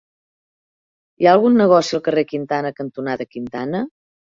Hi ha algun negoci al carrer Quintana cantonada Quintana?